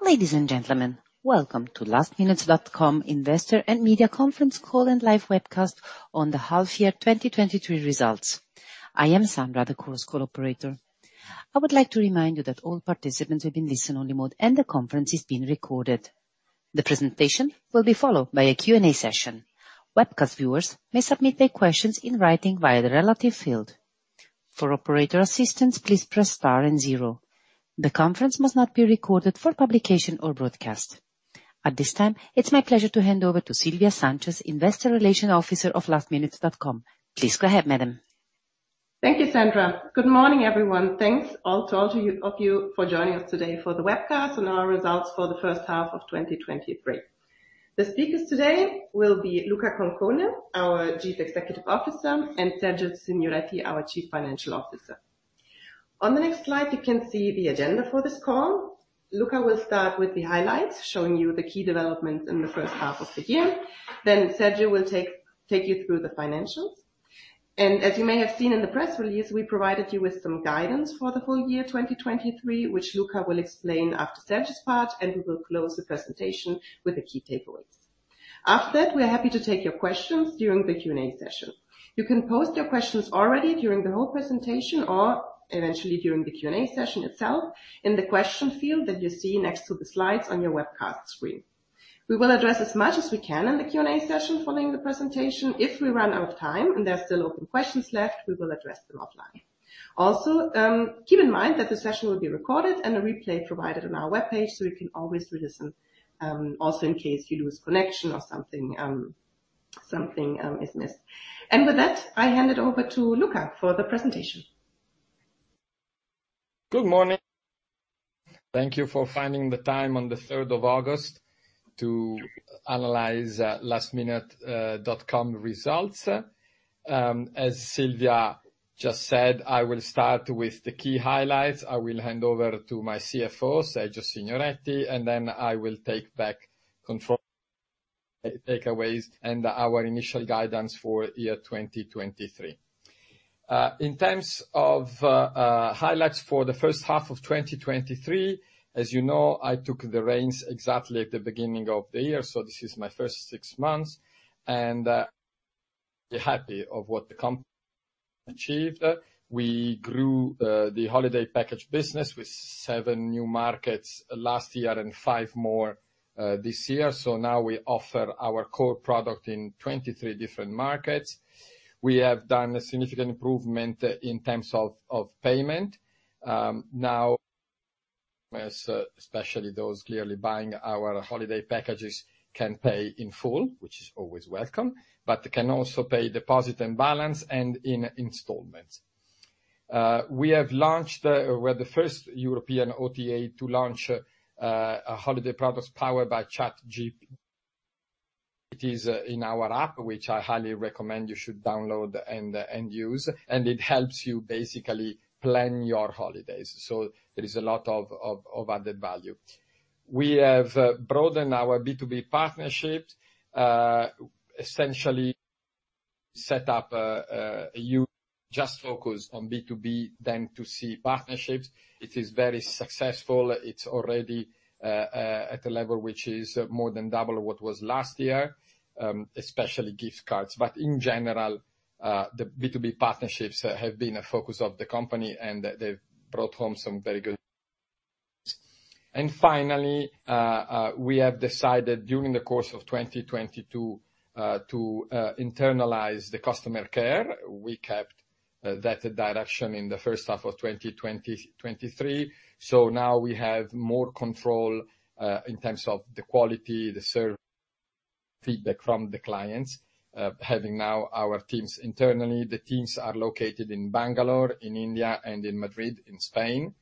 Ladies and gentlemen, Welcome to lastminute.com Investor and Media Conference Call and Live Webcast on The Half Year 2023 Results. I am Sandra, the conference call operator. I would like to remind you that all participants will be in listen-only mode and the conference is being recorded. The presentation will be followed by a Q&A session. Webcast viewers may submit their questions in writing via the relative field. For operator assistance, please press star and zero. The conference must not be recorded for publication or broadcast. At this time, it's my pleasure to hand over to Silvia Sanchez, Investor Relations Officer of lastminute.com. Please go ahead, madam. Thank you, Sandra. Good morning, everyone. Thanks all of you for joining us today for the webcast and our results for the first half of 2023. The speakers today will be Luca Concone, our Chief Executive Officer, and Sergio Signoretti, our Chief Financial Officer. On the next slide, you can see the agenda for this call. Luca will start with the highlights, showing you the key developments in the first half of the year. Sergio will take you through the financials. As you may have seen in the press release, we provided you with some guidance for the full year 2023, which Luca will explain after Sergio's part, and we will close the presentation with the key takeaways. After that, we are happy to take your questions during the Q&A session. You can post your questions already during the whole presentation or eventually during the Q&A session itself in the question field that you see next to the slides on your webcast screen. We will address as much as we can in the Q&A session following the presentation. If we run out of time and there's still open questions left, we will address them offline. Also, keep in mind that the session will be recorded and a replay provided on our webpage, so you can always re-listen, also in case you lose connection or something, something is missed. With that, I hand it over to Luca for the presentation. Good morning. Thank you for finding the time on the 3rd of August to analyze lastminute.com results. As Silvia just said, I will start with the key highlights. I will hand over to my CFO, Sergio Signoretti, and then I will take back control, takeaways and our initial guidance for year 2023. In terms of highlights for the first half of 2023, as you know, I took the reins exactly at the beginning of the year, so this is my first six months, and we're happy of what the company achieved. We grew the holiday package business with seven new markets last year and five more this year. Now we offer our core product in 23 different markets. We have done a significant improvement in terms of payment. Now, as especially those clearly buying our holiday packages can pay in full, which is always welcome, but can also pay deposit and balance and in installments. We have launched, we're the first European OTA to launch, a holiday products powered by ChatGPT. It is in our app, which I highly recommend you should download and use, and it helps you basically plan your holidays. There is a lot of added value. We have broadened our B2B partnerships. Essentially set up a huge just focus on B2B, then to see partnerships. It is very successful. It's already at a level which is more than double what was last year, especially gift cards. In general, the B2B partnerships have been a focus of the company, and they've brought home some very good... Finally, we have decided during the course of 2022, to internalize the customer care. We kept that direction in the first half of 2023. Now we have more control, in terms of the quality, the service, feedback from the clients. Having now our teams internally, the teams are located in Bangalore, in India, and in Madrid, in Spain.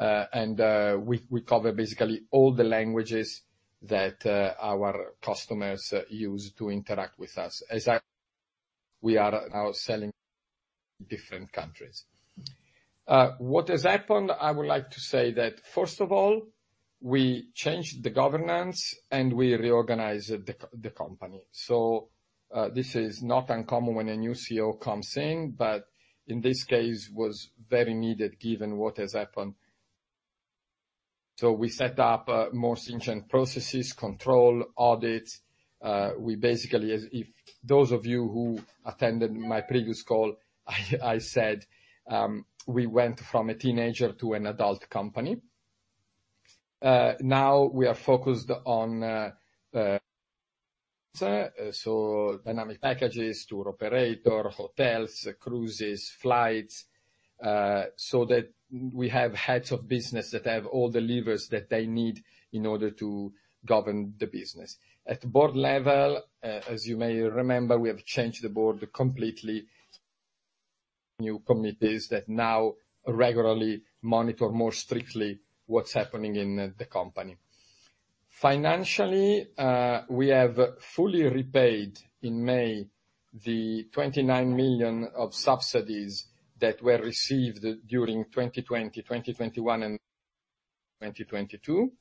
We cover basically all the languages that our customers use to interact with us. We are now selling different countries. What has happened, I would like to say that, first of all, we changed the governance and we reorganized the company. This is not uncommon when a new CEO comes in, but in this case, was very needed, given what has happened. We set up more stringent processes, control, audits. We basically, as if those of you who attended my previous call, I said, we went from a teenager to an adult company. Now we are focused on so dynamic packages, tour operator, hotels, cruises, flights, so that we have heads of business that have all the levers that they need in order to govern the business. At the board level, as you may remember, we have changed the board completely. New committees that now regularly monitor more strictly what's happening in the company. Financially, we have fully repaid in May the 29 million of subsidies that were received during 2020, 2021 and 2022.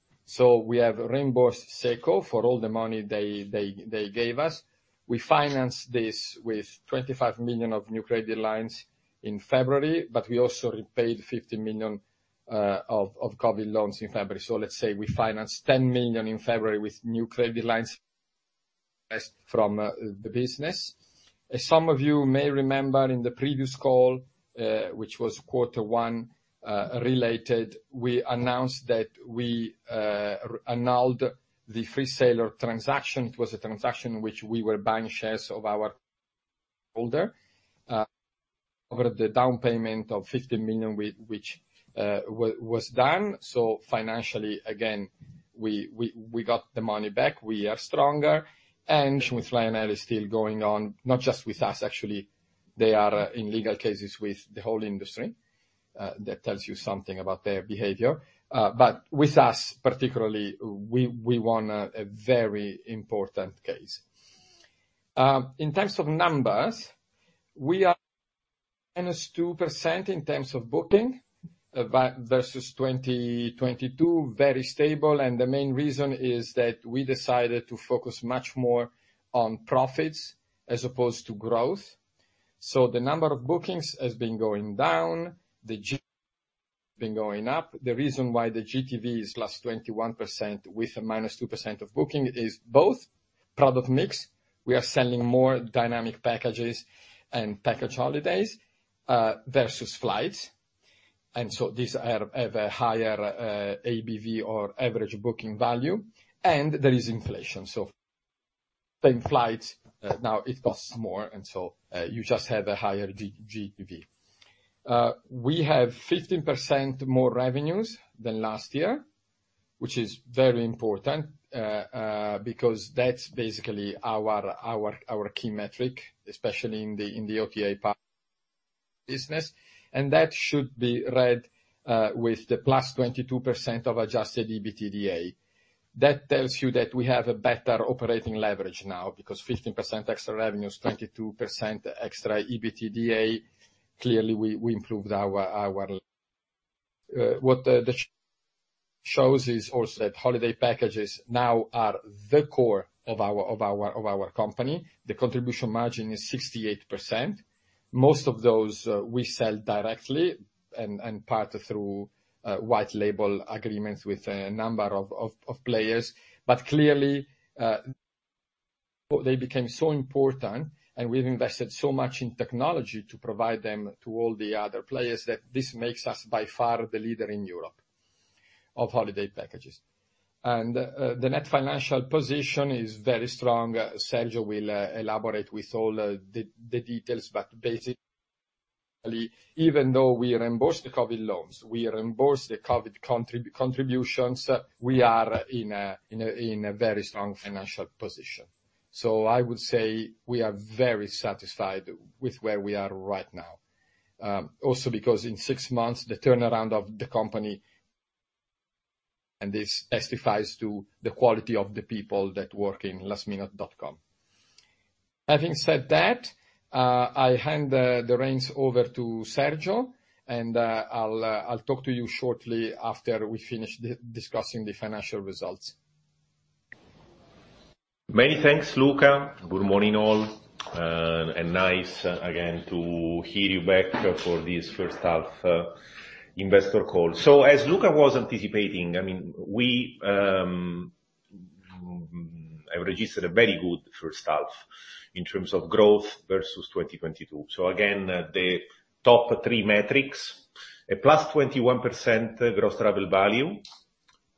We have reimbursed SECO for all the money they gave us. We financed this with 25 million of new credit lines in February. We also repaid 50 million of COVID loans in February. Let's say we financed 10 million in February with new credit lines from the business. As some of you may remember in the previous call, which was quarter one related, we announced that we annulled the Freesailor transaction. It was a transaction in which we were buying shares of our holder over the down payment of 50 million, which was done. Financially, again, we, we, we got the money back. We are stronger. With Rya is still going on, not just with us, actually, they are in legal cases with the whole industry. That tells you something about their behavior, but with us, particularly, we, we won a very important case. In terms of numbers, we are -2% in terms of booking vs 2022, very stable. The main reason is that we decided to focus much more on profits as opposed to growth. The number of bookings has been going down, the GTV been going up. The reason why the GTV is +21% with a -2% of booking is both product mix, we are selling more dynamic packages and package holidays vs flights. These are, have a higher ABV or average booking value. There is inflation. Same flights, now it costs more, you just have a higher GTV. We have 15% more revenues than last year, which is very important, because that's basically our, our, our key metric, especially in the, in the OTA part business, and that should be read with the +22% of adjusted EBITDA. That tells you that we have a better operating leverage now, because 15% extra revenue is 22% extra EBITDA. Clearly, we, we improved our, our, what the, the shows is also that holiday packages now are the core of our, of our, of our company. The contribution margin is 68%. Most of those, we sell directly and, and part through white label agreements with a number of, of, of players. Clearly, they became so important, and we've invested so much in technology to provide them to all the other players, that this makes us, by far, the leader in Europe of holiday packages. The net financial position is very strong. Sergio will elaborate with all the details, basically, even though we reimbursed the COVID loans, we reimbursed the COVID contributions, we are in a very strong financial position. I would say we are very satisfied with where we are right now. Also because in six months, the turnaround of the company, and this testifies to the quality of the people that work in lastminute.com. Having said that, I hand the reins over to Sergio, and I'll talk to you shortly after we finish discussing the financial results. Many thanks, Luca. Good morning, all, and nice again to hear you back for this first half investor call. As Luca was anticipating, I mean, we have registered a very good first half in terms of growth vs 2022. Again, the top three metrics, a +21% gross travel value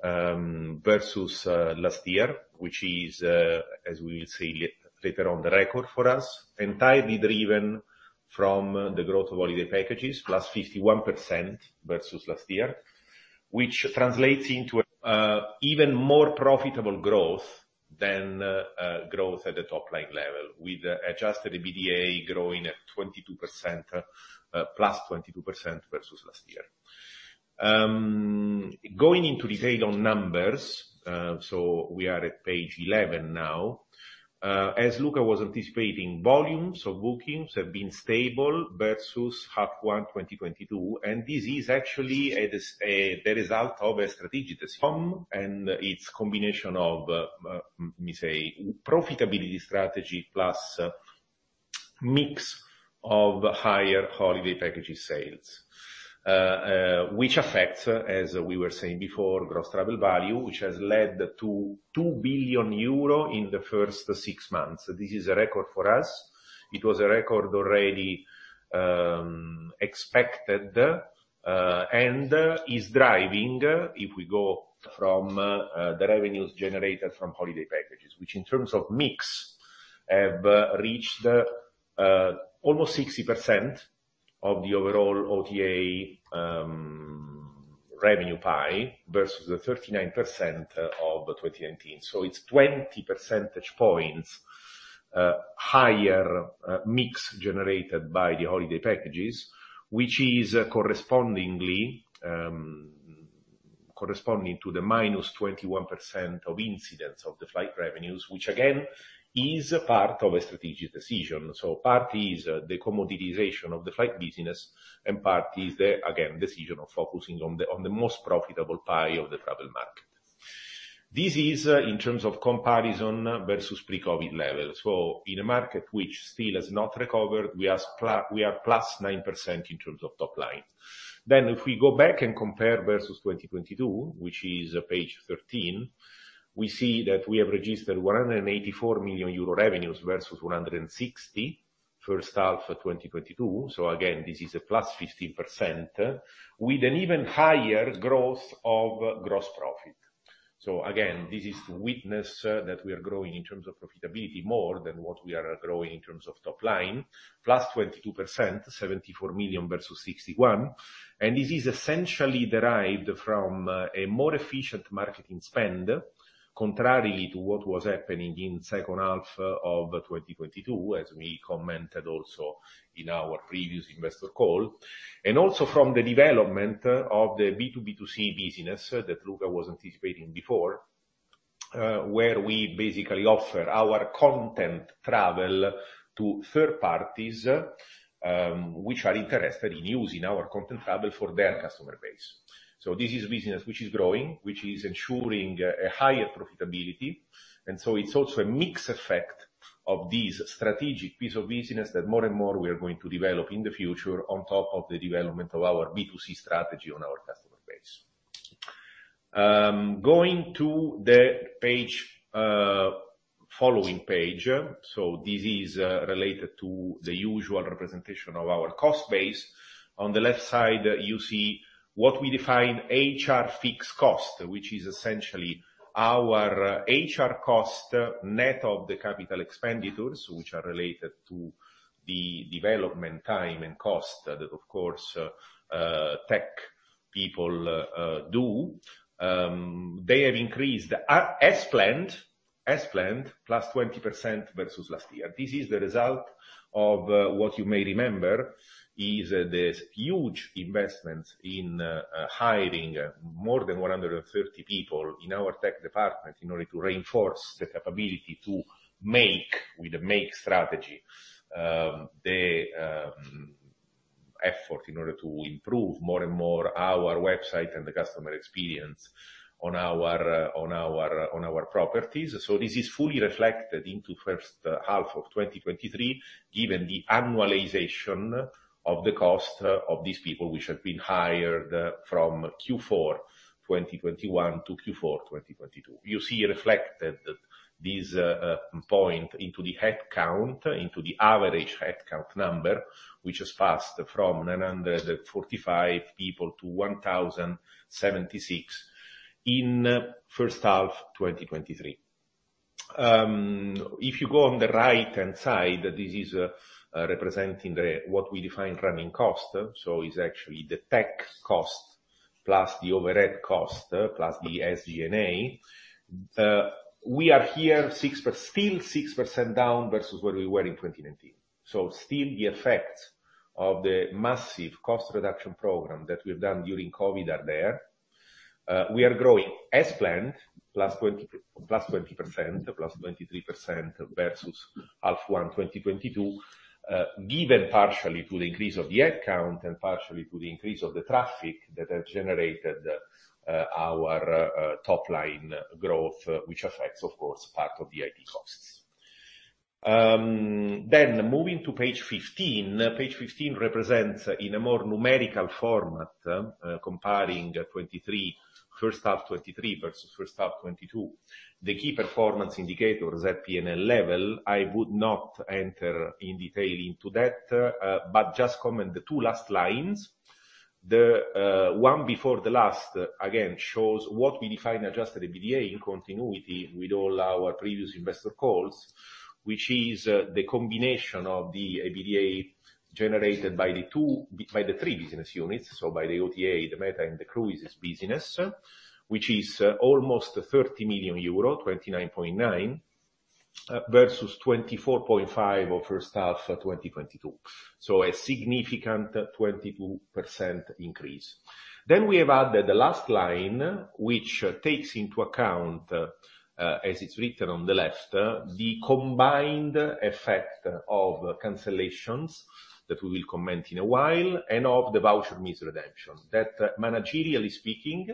vs last year, which is, as we'll see later on, the record for us, entirely driven from the growth of holiday packages, +51% vs last year, which translates into even more profitable growth than growth at the top line level, with adjusted EBITDA growing at 22%, +22% vs last year. Going into detail on numbers, we are at page 11 now. As Luca was anticipating, volumes or bookings have been stable vs H1 2022. This is actually the result of a strategic decision, and it's combination of, let me say, profitability strategy plus mix of higher holiday packages sales. Which affects, as we were saying before, gross travel value, which has led to 2 billion euro in the first six months. This is a record for us. It was a record already expected, and is driving, if we go from the revenues generated from holiday packages, which, in terms of mix, have reached almost 60% of the overall OTA revenue pie vs the 39% of 2019. It's 20 percentage points higher mix generated by the holiday packages, which is correspondingly corresponding to the -21% of incidence of the flight revenues, which again, is a part of a strategic decision. Part is the commoditization of the flight business, and part is the, again, decision of focusing on the, on the most profitable pie of the travel market. This is in terms of comparison vs pre-COVID levels. In a market which still has not recovered, we are +9% in terms of top line. If we go back and compare vs 2022, which is page 13, we see that we have registered 184 million euro revenues vs 160, first half of 2022. Again, this is a +15%, with an even higher growth of gross profit. Again, this is to witness that we are growing in terms of profitability more than what we are growing in terms of top line, +22%, 74 million vs 61 million, and this is essentially derived from a more efficient marketing spend, contrarily to what was happening in second half of 2022, as we commented also in our previous investor call. Also from the development of the B2B2C business that Luca was anticipating before, where we basically offer our content travel to third parties, which are interested in using our content travel for their customer base. This is business which is growing, which is ensuring a higher profitability, and so it's also a mixed effect of these strategic piece of business that more and more we are going to develop in the future on top of the development of our B2C strategy on our customer base. Going to the page, following page, this is related to the usual representation of our cost base. On the left side, you see what we define HR fixed cost, which is essentially our HR cost, net of the capital expenditures, which are related to the development time and cost that, of course, tech people do. They have increased as planned, as planned, +20% vs last year. This is the result of what you may remember, is this huge investment in hiring more than 130 people in our tech department, in order to reinforce the capability to make, with the make strategy, the effort in order to improve more and more our website and the customer experience on our on our on our properties. This is fully reflected into first half of 2023, given the annualization of the cost of these people, which have been hired from Q4 2021 to Q4 2022. You see reflected this point into the headcount, into the average headcount number, which has passed from 945 people to 1,076 in first half 2023. If you go on the right-hand side, this is representing the, what we define running cost, so it's actually the tech cost, plus the overhead cost, plus the S&D&A. We are here 6%, still 6% down vs where we were in 2019. Still the effect of the massive cost reduction program that we've done during COVID are there. We are growing as planned, +20, +20%, +23% vs half one 2022, given partially to the increase of the headcount, and partially to the increase of the traffic that has generated our top line growth, which affects, of course, part of the IT costs. Moving to page 15. Page 15 represents, in a more numerical format, comparing 2023, first half 2023 vs first half 2022. The key performance indicators at P&L level, I would not enter in detail into that, but just comment the two last lines. The one before the last, again, shows what we define adjusted EBITDA in continuity with all our previous investor calls, which is the combination of the EBITDA generated by the two, by the three business units, so by the OTA, the meta, and the cruises business, which is almost 30 million euro, 29.9 vs 24.5 of first half of 2022. So a significant 22% increase. We have added the last line, which takes into account, as it's written on the left, the combined effect of cancellations, that we will comment in a while, and of the voucher misredemption. That, managerially speaking,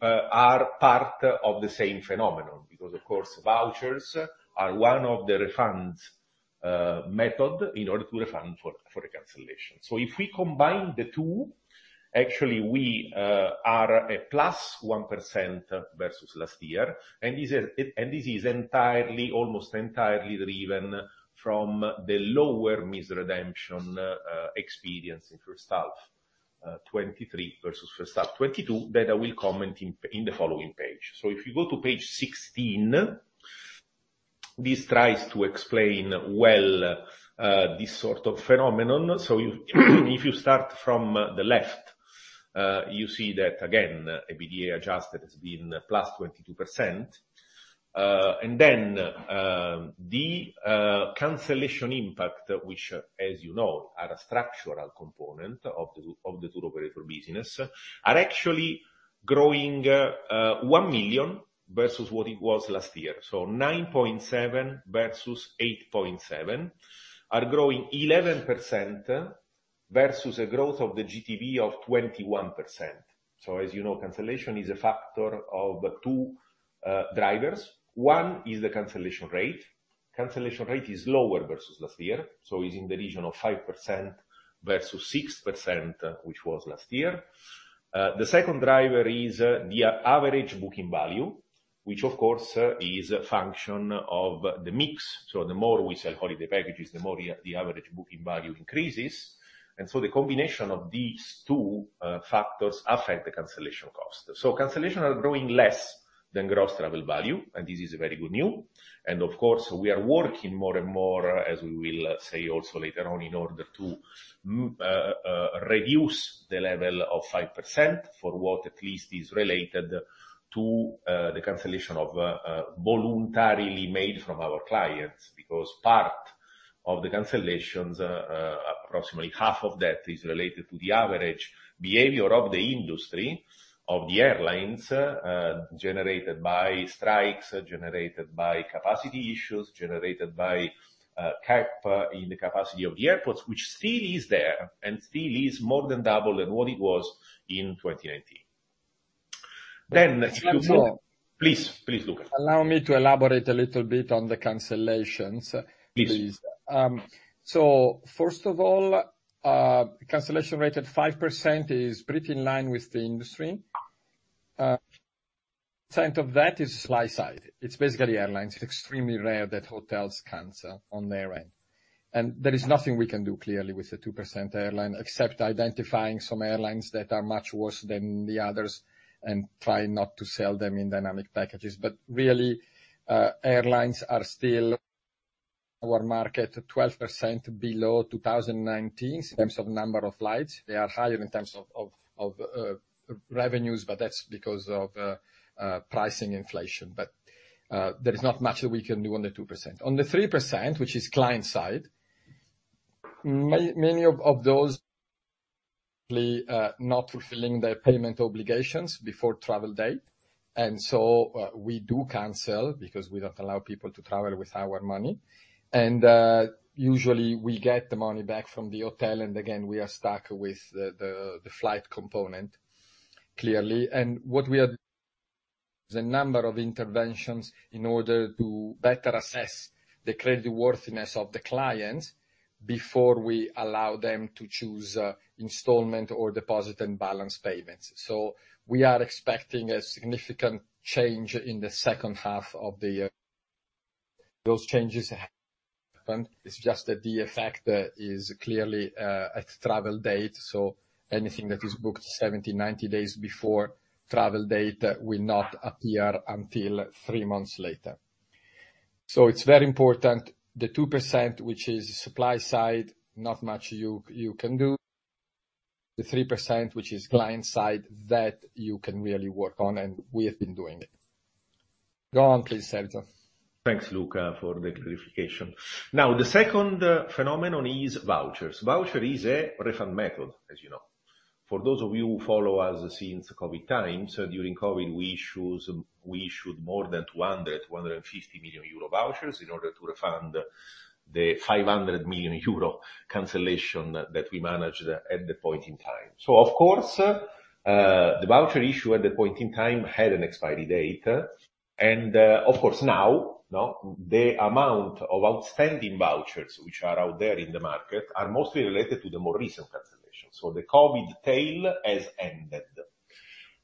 are part of the same phenomenon, because of course, vouchers are one of the refunds, method in order to refund for, for a cancellation. If we combine the two, actually we are a +1% vs last year, and this is, and this is entirely, almost entirely driven from the lower misredemption experienced in first half 23 vs first half 22, that I will comment in the following page. If you go to page 16, this tries to explain well this sort of phenomenon. If, if you start from the left, you see that again, EBITDA adjusted has been +22%. The cancellation impact, which as you know, are a structural component of the tour operator business, are actually growing 1 million vs what it was last year. 9.7 million vs 8.7 million, are growing 11% vs a growth of the GTV of 21%. As you know, cancellation is a factor of two drivers. One is the cancellation rate. Cancellation rate is lower vs last year, so is in the region of 5% vs 6%, which was last year. The second driver is the average booking value, which of course, is a function of the mix. The more we sell holiday packages, the more the average booking value increases. The combination of these two factors affect the cancellation cost. Cancellations are growing less than gross travel value. This is a very good news. Of course, we are working more and more, as we will say also later on, in order to reduce the level of 5% for what at least is related to the cancellation of voluntarily made from our clients. Part of the cancellations, approximately half of that, is related to the average behavior of the industry, of the airlines, generated by strikes, generated by capacity issues, generated by cap in the capacity of the airports, which still is there and still is more than double than what it was in 2019. Please, please, Luca. Allow me to elaborate a little bit on the cancellations- Please. Please. First of all, cancellation rate at 5% is pretty in line with the industry. Percent of that is supply side. It's basically airlines. It's extremely rare that hotels cancel on their end. There is nothing we can do clearly with the 2% airline, except identifying some airlines that are much worse than the others and try not to sell them in Dynamic Packages. Airlines are still our market, 12% below 2019 in terms of number of flights. They are higher in terms of revenues, but that's because of pricing inflation. There is not much that we can do on the 2%. On the 3%, which is client side, many of, of those, not fulfilling their payment obligations before travel date, so we do cancel because we don't allow people to travel with our money. Usually we get the money back from the hotel, again, we are stuck with the, the, the flight component, clearly. The number of interventions in order to better assess the credit worthiness of the clients before we allow them to choose installment or deposit and balance payments. We are expecting a significant change in the second half of the year. Those changes have happened, it's just that the effect is clearly at travel date, so anything that is booked 70, 90 days before travel date will not appear until three months later. It's very important, the 2%, which is supply side, not much you, you can do. The 3%, which is client side, that you can really work on, and we have been doing it. Go on, please, Sergio. Thanks, Luca, for the clarification. Now, the second phenomenon is vouchers. Voucher is a refund method, as you know. For those of you who follow us since COVID times, during COVID, we issued more than 250 million euro vouchers in order to refund the 500 million euro cancellation that we managed at the point in time. Of course, the voucher issue at that point in time had an expiry date, and of course, now, the amount of outstanding vouchers which are out there in the market are mostly related to the more recent cancellations. The COVID tail has ended,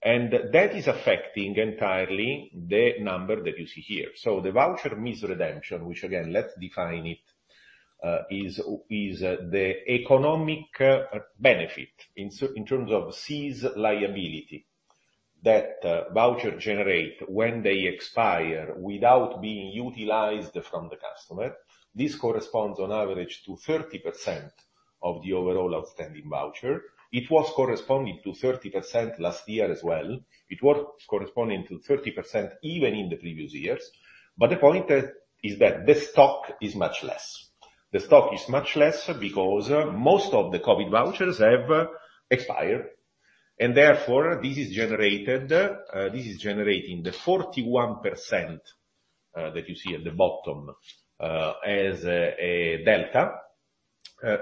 and that is affecting entirely the number that you see here. The voucher misredemption, which again, let's define it, is the economic benefit in terms of CS liability, that voucher generate when they expire without being utilized from the customer. This corresponds on average, to 30% of the overall outstanding voucher. It was corresponding to 30% last year as well. It was corresponding to 30% even in the previous years. The point is, is that the stock is much less. The stock is much less because most of the COVID vouchers have expired, and therefore, this is generated, this is generating the 41% that you see at the bottom as a delta,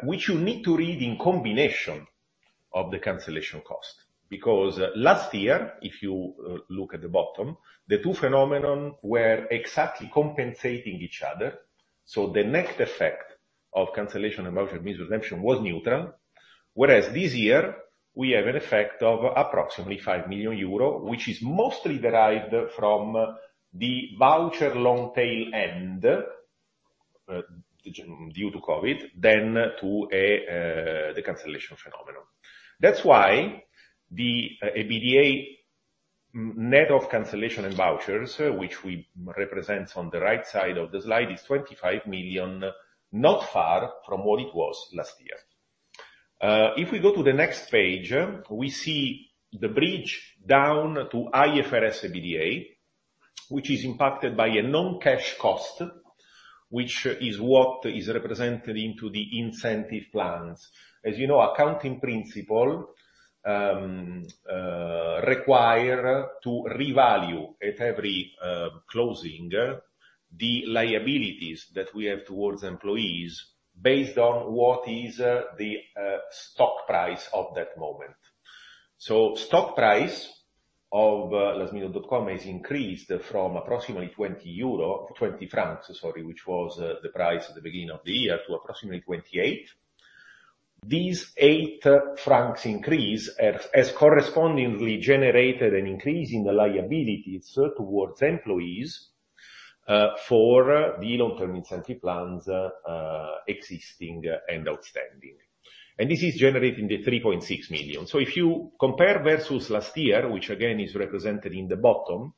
which you need to read in combination of the cancellation cost. Last year, if you look at the bottom, the two phenomenon were exactly compensating each other, the next effect of cancellation and voucher misredemption was neutral. This year, we have an effect of approximately 5 million euro, which is mostly derived from the voucher long tail end due to COVID, than to the cancellation phenomenon. The EBITDA net of cancellation and vouchers, which we represent on the right side of the slide, is 25 million, not far from what it was last year. If we go to the next page, we see the bridge down to IFRS EBITDA, which is impacted by a non-cash cost, which is what is represented into the incentive plans. As you know, accounting principle require to revalue at every closing the liabilities that we have towards employees based on what is the stock price of that moment. lastminute.com has increased from approximately 20 francs, which was the price at the beginning of the year, to approximately 28. These 8 francs increase has correspondingly generated an increase in the liabilities towards employees for the long-term incentive plans existing and outstanding. This is generating the 3.6 million. If you compare vs last year, which again is represented in the bottom,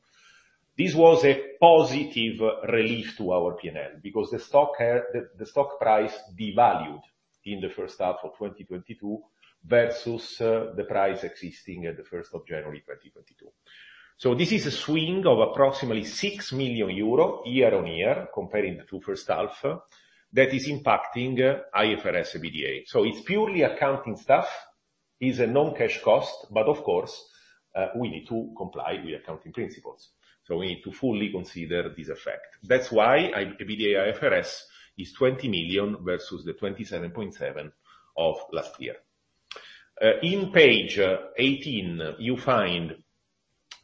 this was a positive relief to our P&L, because the stock price devalued in the first half of 2022, vs the price existing at January 1, 2022. This is a swing of approximately 6 million euro, year-on-year, comparing the two first half, that is impacting IFRS EBITDA. It's purely accounting stuff, is a non-cash cost, but of course, we need to comply with accounting principles, so we need to fully consider this effect. That's why IFRS EBITDA is 20 million vs the 27.7 million of last year. In page 18, you find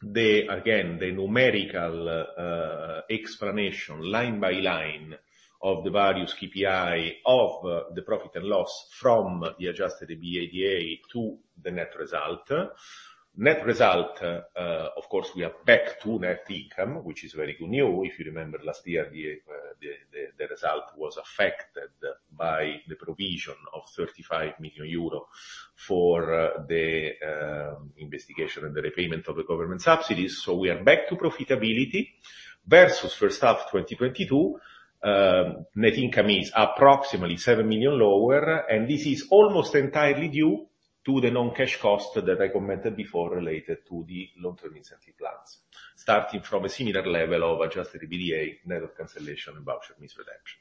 the, again, the numerical explanation, line by line, of the various KPI of the profit and loss from the adjusted EBITDA to the net result. Net result, of course, we are back to net income, which is very good news. If you remember last year, the result was affected by the provision of 35 million euro for the investigation and the repayment of the government subsidies. We are back to profitability vs first half, 2022, net income is approximately 7 million lower, and this is almost entirely due to the non-cash cost that I commented before, related to the long-term incentive plans, starting from a similar level of adjusted EBITDA, net of cancellation and voucher misredemption.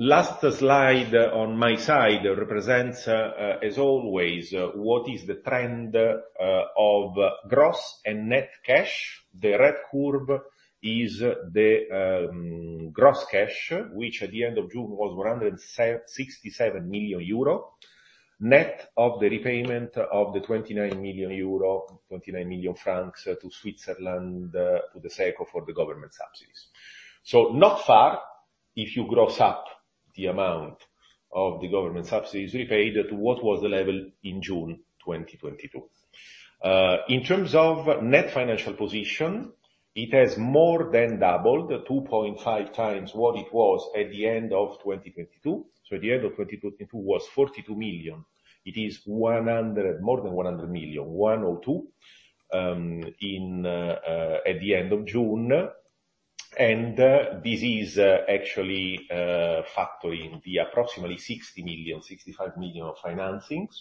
Last slide on my side represents, as always, what is the trend of gross and net cash. The red curve is the gross cash, which at the end of June was 167 million euro, net of the repayment of the 29 million euro, 29 million francs, to Switzerland, for the sake of the government subsidies. Not far, if you gross up the amount of the government subsidies repaid, to what was the level in June 2022. In terms of net financial position, it has more than doubled to 2.5x what it was at the end of 2022. At the end of 2022 was 42 million. It is more than 100 million, 102 million at the end of June. This is actually factoring the approximately 60 million-65 million of financings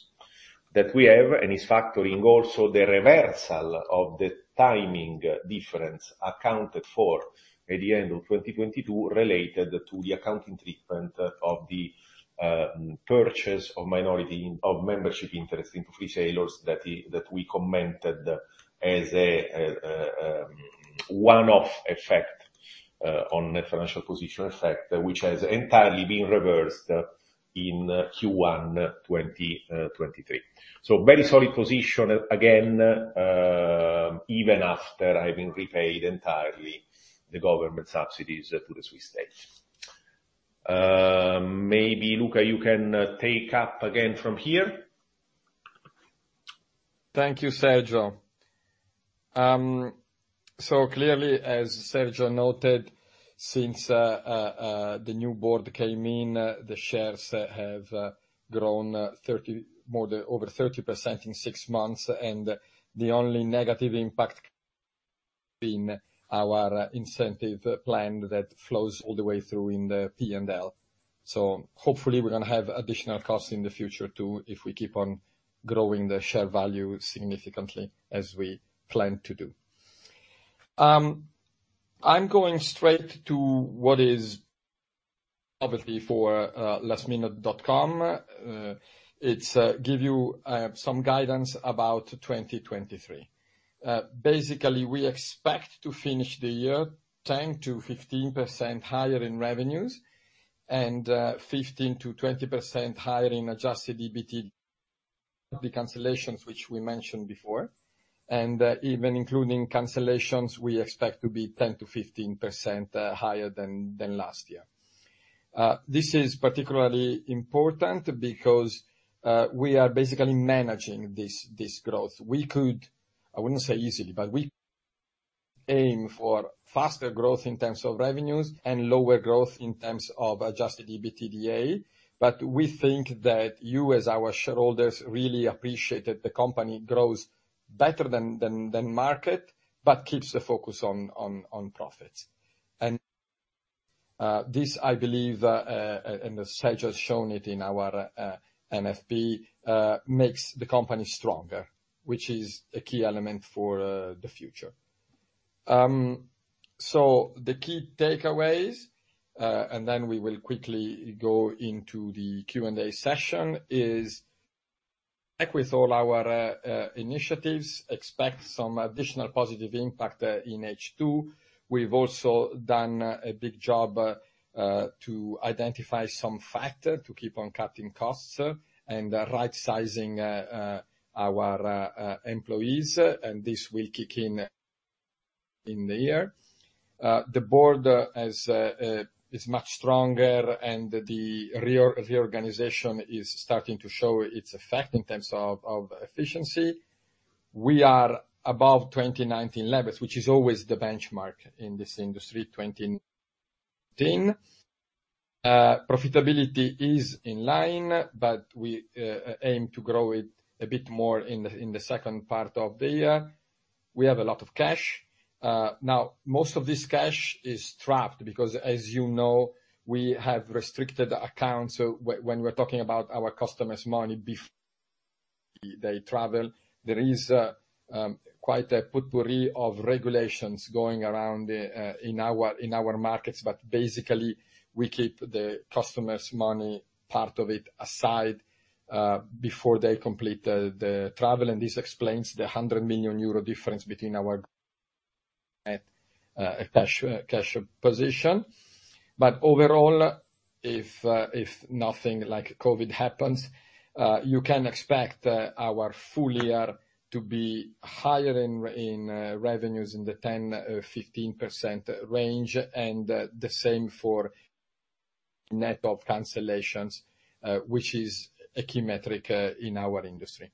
that we have, and is factoring also the reversal of the timing difference accounted for at the end of 2022, related to the accounting treatment of the purchase of minority in, of membership interest into retailers, that we commented as a one-off effect on net financial position effect, which has entirely been reversed in Q1 2023. Very solid position again, even after having repaid entirely the government subsidies to the Swiss State. Maybe, Luca, you can take up again from here. Thank you, Sergio. Clearly, as Sergio noted, since the new board came in, the shares have grown 30, more than over 30% in six months, and the only negative impact being our incentive plan that flows all the way through in the P&L. Hopefully, we're gonna have additional costs in the future, too, if we keep on growing the share value significantly as we plan to do. I'm going straight to what is obviously for lastminute.com. It's give you some guidance about 2023. Basically, we expect to finish the year 10%-15% higher in revenues, and 15%-20% higher in adjusted EBIT, the cancellations, which we mentioned before. Even including cancellations, we expect to be 10%-15% higher than last year. This is particularly important because we are basically managing this, this growth. We could, I wouldn't say easily, but we aim for faster growth in terms of revenues and lower growth in terms of adjusted EBITDA. We think that you, as our shareholders, really appreciated the company grows better than, than, than market, but keeps the focus on, on, on profits. This, I believe, and as Sergio has shown it in our NFP, makes the company stronger, which is a key element for the future. The key takeaways, and then we will quickly go into the Q&A session, is, like with all our initiatives, expect some additional positive impact in H2. We've also done a big job to identify some factor to keep on cutting costs and right sizing our employees, and this will kick in in the year. The board has is much stronger, and the reorganization is starting to show its effect in terms of efficiency. We are above 2019 levels, which is always the benchmark in this industry, 2019. Profitability is in line, but we aim to grow it a bit more in the second part of the year. We have a lot of cash. Now, most of this cash is trapped, because, as you know, we have restricted accounts. When we're talking about our customers' money they travel, there is quite a potpourri of regulations going around in our markets. Basically, we keep the customers' money, part of it, aside, before they complete the travel, and this explains the 100 million euro difference between our cash cash position. Overall, if nothing like COVID happens, you can expect our full year to be higher in revenues in the 10%-15% range, and the same for net of cancellations, which is a key metric in our industry.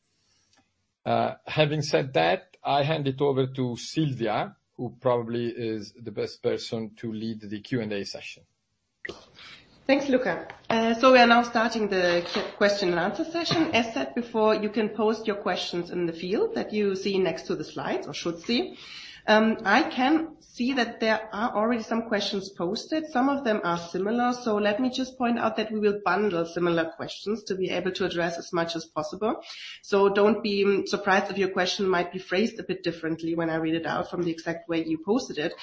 Having said that, I hand it over to Silvia, who probably is the best person to lead the Q&A session. Thanks, Luca. We are now starting the question and answer session. As said before, you can post your questions in the field that you see next to the slides, or should see. I can see that there are already some questions posted. Some of them are similar, let me just point out that we will bundle similar questions to be able to address as much as possible. Don't be surprised if your question might be phrased a bit differently when I read it out from the exact way you posted it,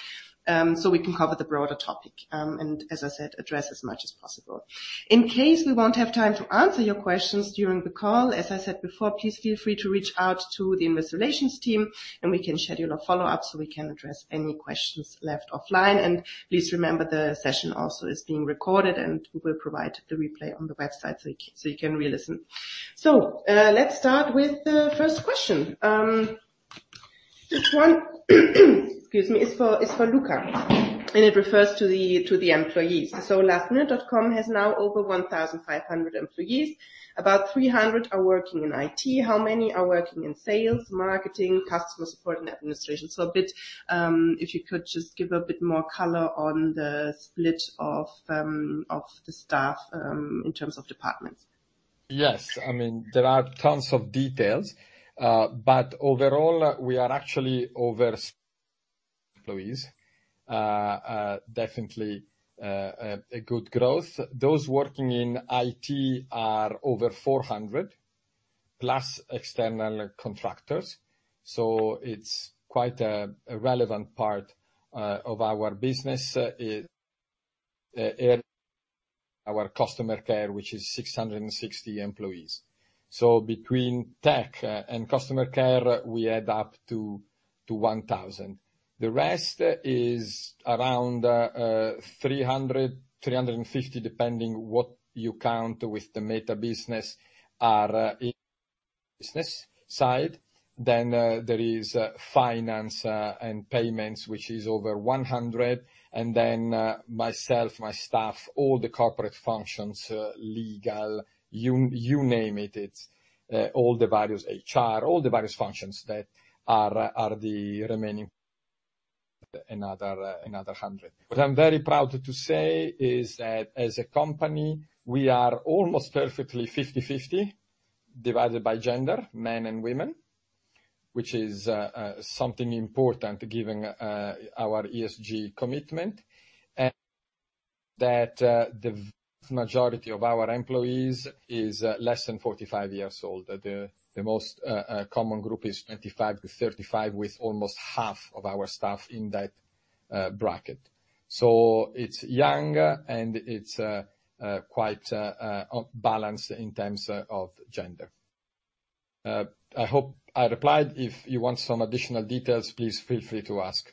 so we can cover the broader topic, and as I said, address as much as possible. In case we won't have time to answer your questions during the call, as I said before, please feel free to reach out to the investor relations team, and we can schedule a follow-up so we can address any questions left offline. Please remember, the session also is being recorded, and we will provide the replay on the website, so you can re-listen. Let's start with the first question. This one, excuse me, is for, is for Luca, and it refers to the, to the employees. lastminute.com has now over 1,500 employees. About 300 are working in IT. How many are working in sales, marketing, customer support, and administration? A bit, if you could just give a bit more color on the split of the staff in terms of departments. Yes, I mean, there are tons of details, but overall, we are actually over employees. Definitely, a good growth. Those working in IT are over 400, plus external contractors, so it's quite a relevant part of our business, our customer care, which is 660 employees. Between tech and customer care, we add up to, to 1,000. The rest is around 300, 350, depending what you count with the meta business, are in business side. There is finance and payments, which is over 100, and then, myself, my staff, all the corporate functions, legal, you, you name it, all the various HR, all the various functions that are, are the remaining another, another 100. What I'm very proud to say is that as a company, we are almost perfectly 50/50, divided by gender, men and women, which is something important, given our ESG commitment. That the majority of our employees is less than 45 years old. The, the most common group is 25-35, with almost half of our staff in that bracket. It's young, and it's quite balanced in terms of, of gender. I hope I replied. If you want some additional details, please feel free to ask.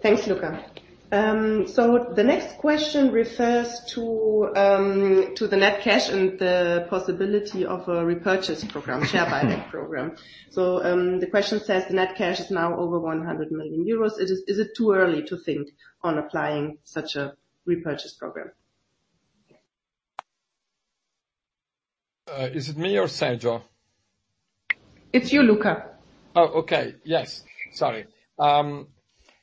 Thanks, Luca. The next question refers to the net cash and the possibility of a repurchase program, share buyback program. The question says: Net cash is now over 100 million euros. Is it, is it too early to think on applying such a repurchase program? Is it me or Sergio? It's you, Luca.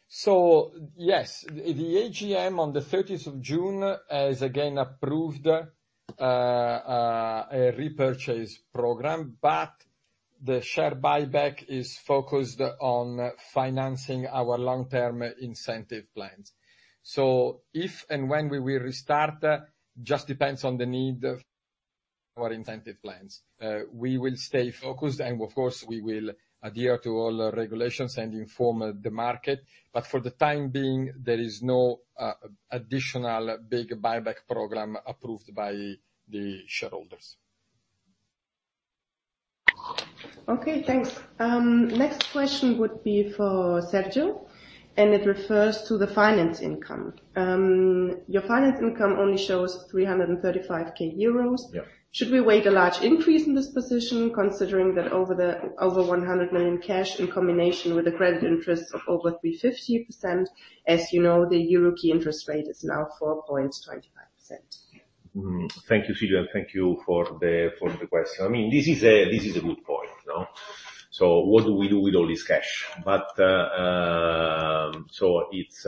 Yes, the AGM on the 30th of June has again approved a repurchase program, but the share buyback is focused on financing our long-term incentive plans. If and when we will restart, just depends on the need of our incentive plans. We will stay focused, and of course, we will adhere to all the regulations and inform the market, but for the time being, there is no additional big buyback program approved by the shareholders. Okay, thanks. Next question would be for Sergio, and it refers to the finance income. Your finance income only shows 335,000 euros. Yeah. Should we await a large increase in this position, considering that over 100 million cash in combination with a credit interest of over 350%? As you know, the Euro key interest rate is now 4.25%. Thank you, Silvia, and thank you for the question. I mean, this is a good point, no? What do we do with all this cash? It's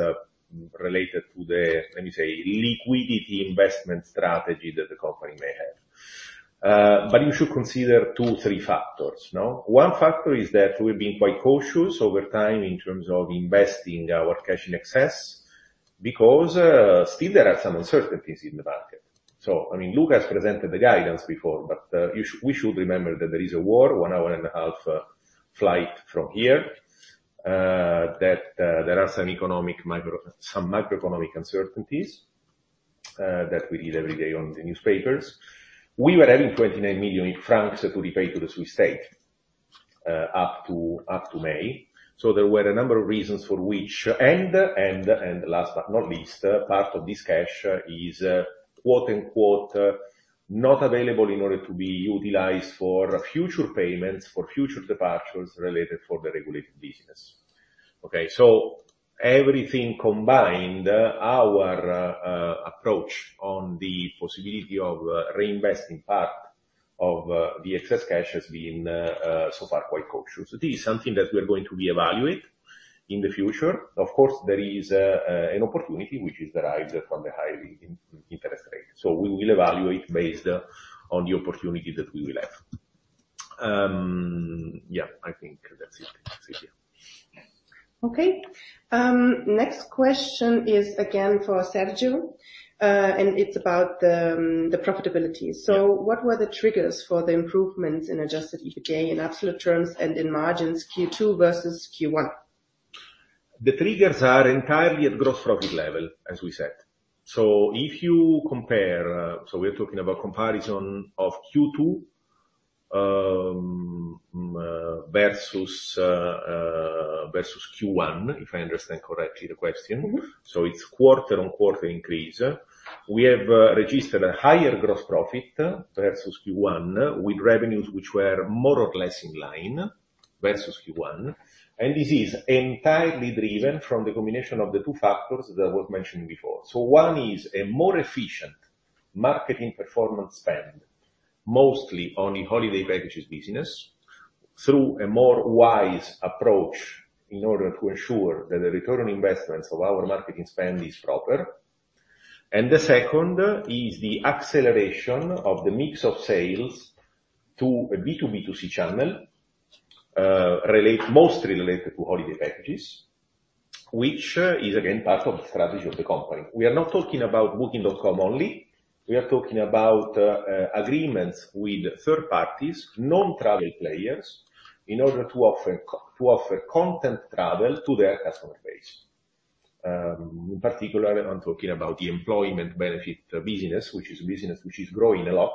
related to the, let me say, liquidity investment strategy that the company may have. You should consider two, three factors, no? One factor is that we've been quite cautious over time in terms of investing our cash in excess, because still there are some uncertainties in the market. I mean, Luca has presented the guidance before, but we should remember that there is a war 1 hour and a half flight from here, that there are some macroeconomic uncertainties that we read every day on the newspapers. We were having 29 million francs to repay to the Swiss state up to May. There were a number of reasons for which... last but not least, part of this cash is quote-unquote, "not available in order to be utilized for future payments, for future departures related for the regulated business." Everything combined, our approach on the possibility of reinvesting part of the excess cash has been so far, quite cautious. It is something that we are going to reevaluate in the future. Of course, there is an opportunity which is derived from the high interest rate. We will evaluate based on the opportunity that we will have. I think that's it. Thank you. Okay. next question is again for Sergio, and it's about the profitability. Yeah. What were the triggers for the improvements in adjusted EBITDA in absolute terms and in margins Q2 vs Q1? The triggers are entirely at gross profit level, as we said. If you compare... We're talking about comparison of Q2 vs Q1, if I understand correctly the question. Mm-hmm. It's quarter-on-quarter increase. We have registered a higher gross profit vs Q1, with revenues which were more or less in line vs Q1. This is entirely driven from the combination of the two factors that were mentioned before. One is a more efficient marketing performance spend, mostly on the holiday packages business, through a more wise approach in order to ensure that the return on investments of our marketing spend is proper. Two is the acceleration of the mix of sales to a B2B2C channel, mostly related to holiday packages, which is again, part of the strategy of the company. We are not talking about Booking.com only. We are talking about agreements with third parties, non-travel players, in order to offer content travel to their customer base. Particularly, I'm talking about the employment benefit business, which is a business which is growing a lot,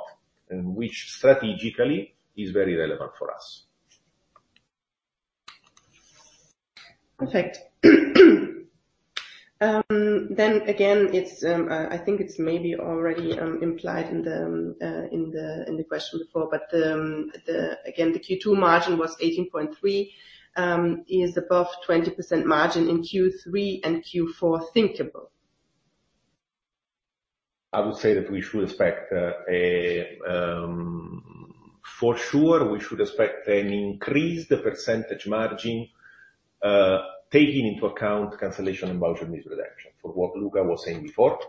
and which strategically is very relevant for us. Perfect. Again, it's, I think it's maybe already, implied in the, in the, in the question before, but, the, again, the Q2 margin was 18.3, is above 20% margin in Q3 and Q4 thinkable? I would say that we should expect a. For sure, we should expect an increased percentage margin, taking into account cancellation and voucher misdirection. From what Luca was saying before,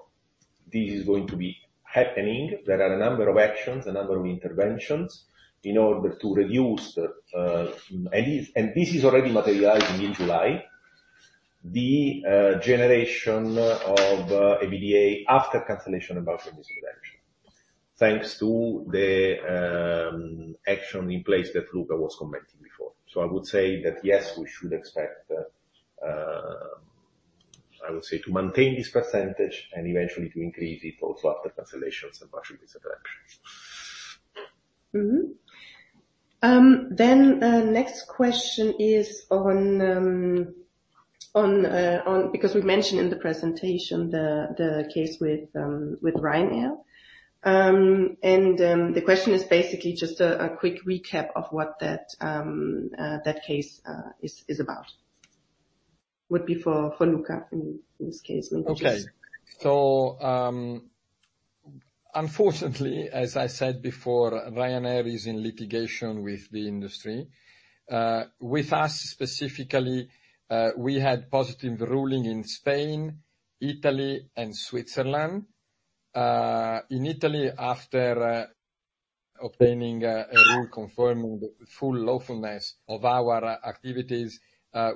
this is going to be happening. There are a number of actions, a number of interventions, in order to reduce the any-- and this is already materializing in July, the generation of EBITDA after cancellation and voucher misdirection, thanks to the action in place that Luca was commenting before. I would say that, yes, we should expect, I would say, to maintain this percentage and eventually to increase it also after cancellations and voucher misdirection. Mm-hmm. Next question is on because we mentioned in the presentation the case with Ryanair. The question is basically just a quick recap of what that case is about. Would be for Luca in this case, maybe just- Okay. Unfortunately, as I said before, Ryanair is in litigation with the industry. With us specifically, we had positive ruling in Spain, Italy, and Switzerland. In Italy, after obtaining a rule confirming the full lawfulness of our activities,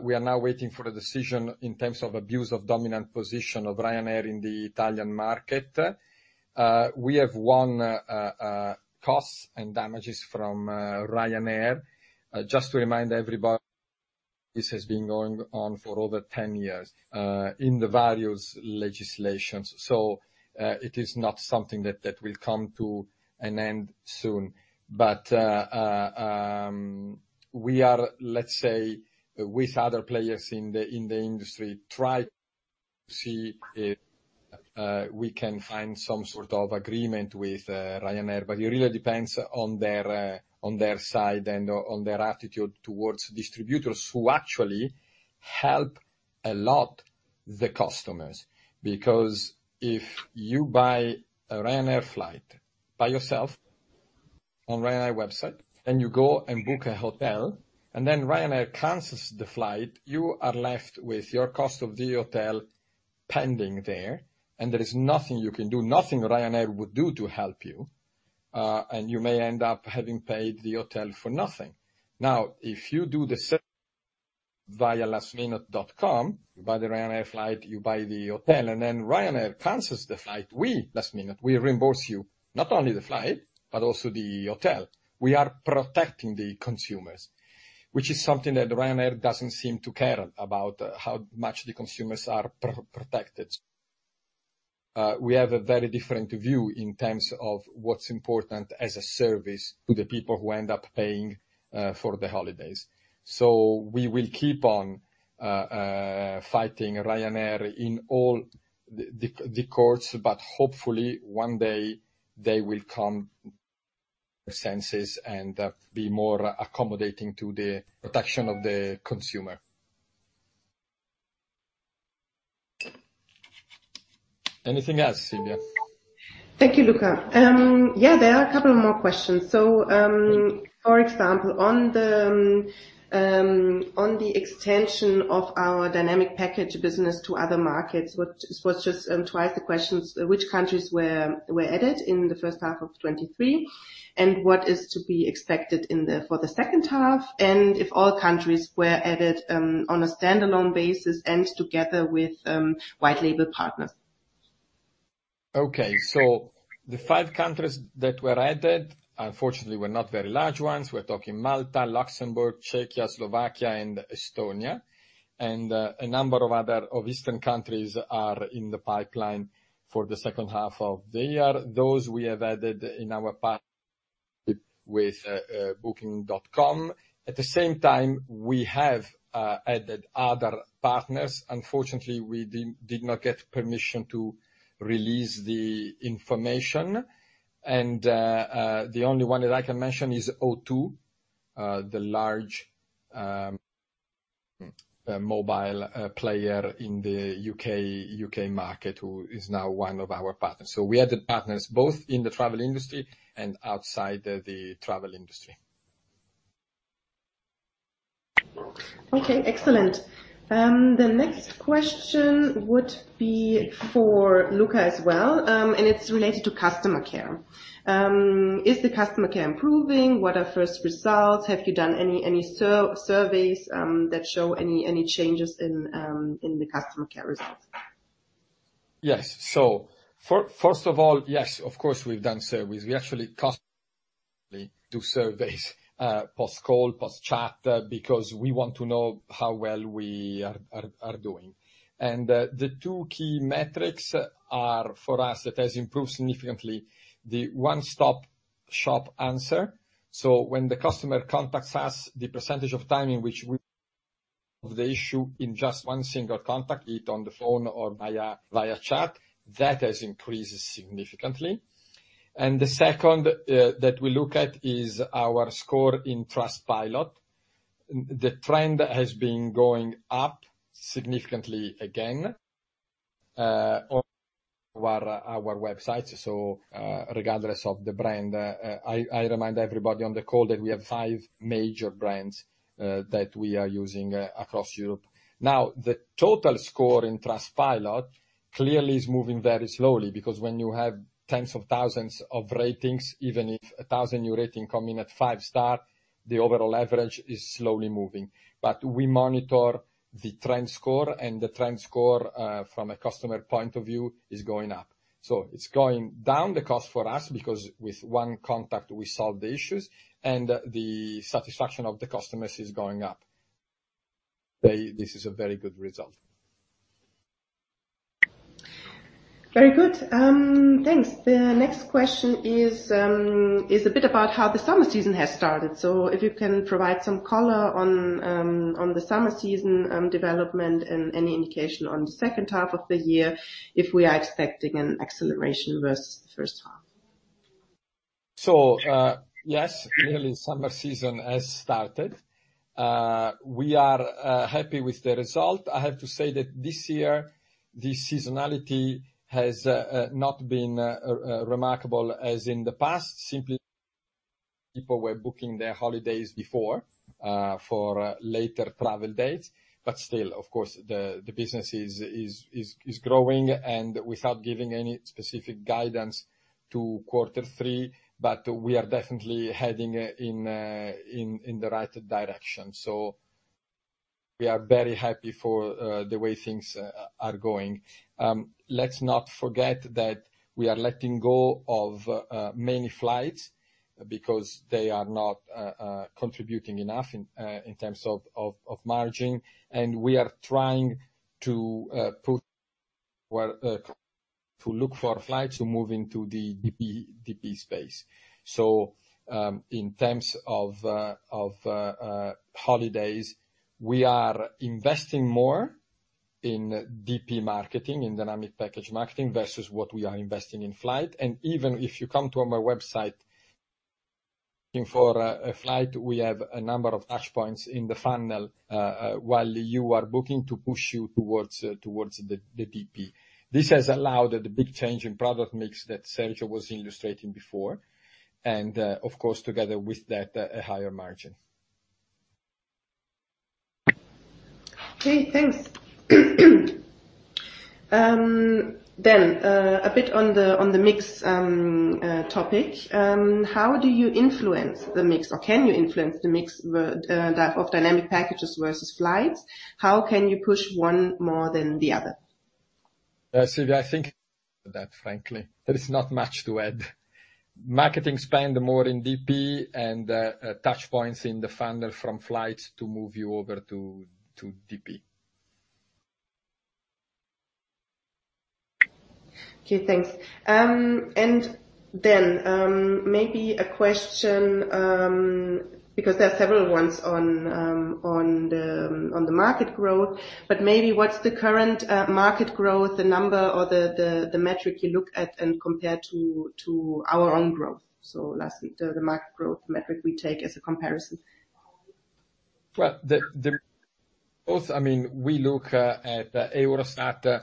we are now waiting for a decision in terms of abuse of dominant position of Ryanair in the Italian market. We have won costs and damages from Ryanair. Just to remind everybody, this has been going on for over 10 years in the various legislations. It is not something that will come to an end soon. We are, let's say, with other players in the industry, try to see if we can find some sort of agreement with Ryanair. It really depends on their on their side and on their attitude towards distributors, who actually help a lot the customers. Because if you buy a Ryanair flight by yourself on Ryanair website, and you go and book a hotel, and then Ryanair cancels the flight, you are left with your cost of the hotel pending there, and there is nothing you can do, nothing Ryanair would do to help you. You may end up having paid the hotel for nothing. Now, if you do the same via lastminute.com, you buy the Ryanair flight, you buy the hotel, and then Ryanair cancels the flight, we, lastminute, we reimburse you not only the flight, but also the hotel. We are protecting the consumers, which is something that Ryanair doesn't seem to care about, how much the consumers are protected. We have a very different view in terms of what's important as a service to the people who end up paying, for the holidays. We will keep on fighting Ryanair in all the, the, the courts. Hopefully one day they will come senses and be more accommodating to the protection of the consumer. Anything else, Silvia? Thank you, Luca. Yeah, there are a couple more questions. For example, on the extension of our dynamic package business to other markets, which was just twice the questions: Which countries were, were added in the first half of 2023? What is to be expected in the, for the second half? If all countries were added, on a standalone basis and together with, white label partners? Okay. The five countries that were added, unfortunately, were not very large ones. We're talking Malta, Luxembourg, Czechia, Slovakia, and Estonia. A number of other, of Eastern countries are in the pipeline for the second half of the year. Those we have added in our partner with Booking.com. At the same time, we have added other partners. Unfortunately, we did, did not get permission to release the information, the only one that I can mention is O2, the large mobile player in the U.K., U.K. market, who is now one of our partners. We added partners both in the travel industry and outside the travel industry. Okay, excellent. The next question would be for Luca as well, and it's related to customer care. Is the customer care improving? What are first results? Have you done any surveys that show any changes in the customer care results? Yes. First of all, yes, of course, we've done surveys. We actually constantly do surveys, post-call, post-chat, because we want to know how well we are doing. The two key metrics are, for us, that has improved significantly, the one-stop shop answer. When the customer contacts us, the percentage of time in which we the issue in just one single contact, be it on the phone or via chat, that has increased significantly. The second that we look at is our score in Trustpilot. The trend has been going up significantly again, on our website. Regardless of the brand, I remind everybody on the call that we have five major brands that we are using across Europe. The total score in Trustpilot clearly is moving very slowly, because when you have tens of thousands of ratings, even if 1,000 new ratings come in at five-star, the overall average is slowly moving. We monitor the trend score, and the trend score, from a customer point of view, is going up. It's going down the cost for us, because with one contact, we solve the issues, and the satisfaction of the customers is going up. This is a very good result. Very good. thanks. The next question is, is a bit about how the summer season has started. If you can provide some color on, on the summer season, development, and any indication on the second half of the year, if we are expecting an acceleration vs the first half. Yes, clearly, summer season has started. We are happy with the result. I have to say that this year, the seasonality has not been remarkable as in the past, simply people were booking their holidays before for later travel dates. Still, of course, the business is growing and without giving any specific guidance to quarter three, but we are definitely heading in the right direction. We are very happy for the way things are going. Let's not forget that we are letting go of many flights because they are not contributing enough in terms of margin. We are trying to Well, to look for flights to move into the DP, DP space. In terms of holidays, we are investing more in DP marketing, in dynamic package marketing, vs what we are investing in Flight. Even if you come to our website looking for a flight, we have a number of touch points in the funnel while you are booking, to push you towards the DP. This has allowed the big change in product mix that Sergio was illustrating before, and, of course, together with that, a higher margin. Okay, thanks. A bit on the, on the mix topic. How do you influence the mix, or can you influence the mix, the, that of Dynamic Packages vs Flights? How can you push one more than the other? Silvia, I think that frankly, there is not much to add. Marketing spend more in DP and touch points in the funnel from Flights to move you over to, to DP. Okay, thanks. Maybe a question, because there are several ones on the market growth, but maybe what's the current market growth, the number or the metric you look at and compare to our own growth? lastly, the market growth metric we take as a comparison. Well, the, the, both-- I mean, we look at Eurostat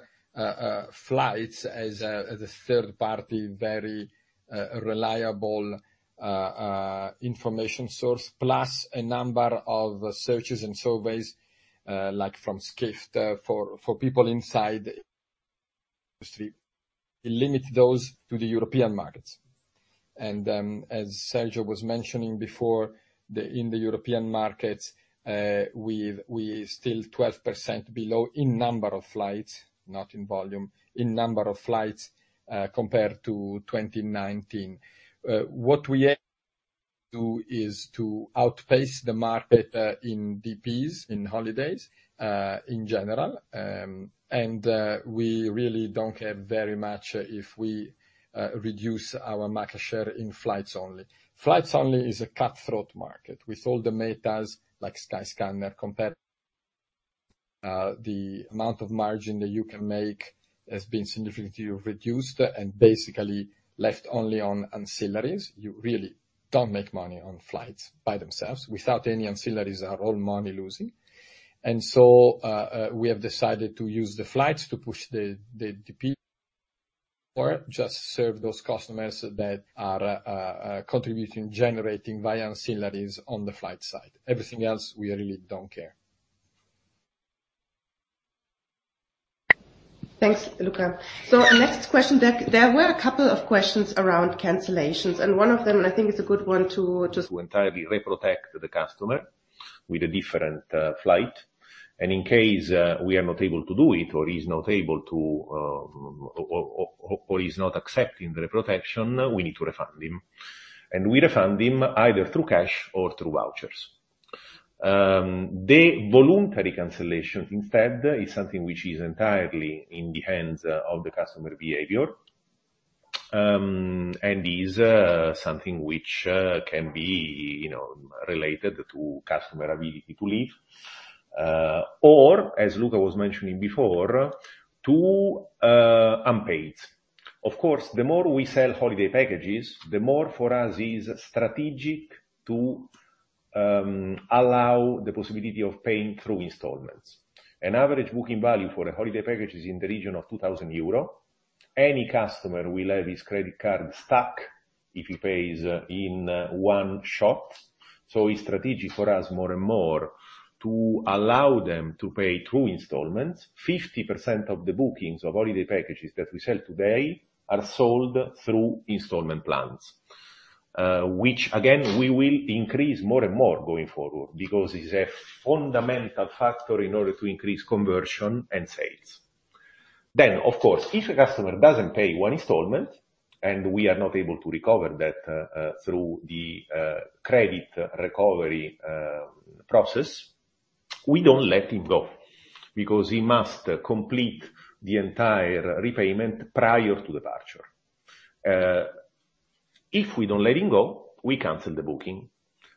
flights as a, as a third party, very reliable information source, plus a number of searches and surveys, like from Skift, for, for people inside the industry. We limit those to the European markets. As Sergio was mentioning before, the, in the European markets, we still 12% below in number of flights, not in volume, in number of flights, compared to 2019. What we do is to outpace the market in DPs, in holidays, in general. We really don't care very much if we reduce our market share in flights only. Flights only is a cutthroat market. With all the metas, like Skyscanner, compared, the amount of margin that you can make has been significantly reduced and basically left only on ancillaries. You really don't make money on flights by themselves. Without any ancillaries, are all money-losing. We have decided to use the flights to push the DP or just serve those customers that are contributing, generating via ancillaries on the flight side. Everything else, we really don't care. Thanks, Luca. Next question, there were a couple of questions around cancellations, and one of them, and I think it's a good one to just. To entirely reprotect the customer with a different flight. In case we are not able to do it, or he's not able to, or he's not accepting the protection, we need to refund him. We refund him either through cash or through vouchers. The voluntary cancellation, instead, is something which is entirely in the hands of the customer behavior, and is something which can be, you know, related to customer ability to leave, or as Luca was mentioning before, to unpaid. Of course, the more we sell holiday packages, the more for us is strategic to allow the possibility of paying through installments. An average booking value for a holiday package is in the region of 2,000 euro. Any customer will have his credit card stuck if he pays in one shot. It's strategic for us, more and more, to allow them to pay through installments. 50% of the bookings of holiday packages that we sell today are sold through installment plans, which again, we will increase more and more going forward, because it's a fundamental factor in order to increase conversion and sales. Of course, if a customer doesn't pay one installment, and we are not able to recover that through the credit recovery process, we don't let him go, because he must complete the entire repayment prior to departure. If we don't let him go, we cancel the booking,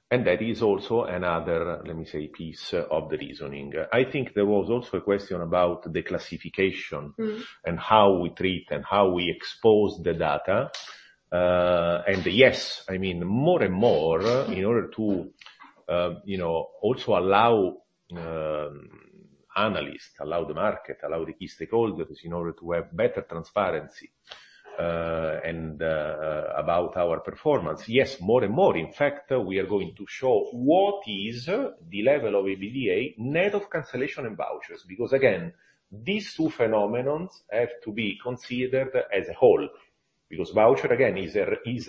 and that is also another, let me say, piece of the reasoning. I think there was also a question about the classification- Mm-hmm. and how we treat and how we expose the data. Yes, I mean, more and more, in order to, you know, also allow analysts, allow the market, allow the key stakeholders, in order to have better transparency and about our performance, yes, more and more. In fact, we are going to show what is the level of EBITDA, net of cancellation and vouchers. Again, these two phenomenons have to be considered as a whole, because voucher, again, is